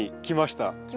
きました。